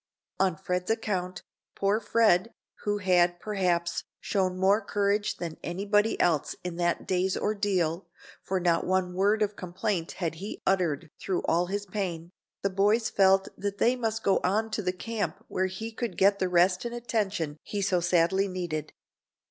On Fred's account, poor Fred, who had, perhaps, shown more courage than anyone else in that day's ordeal, for not one word of complaint had he uttered through all his pain, the boys felt that they must go on to the camp where he could get the rest and attention he so sadly needed.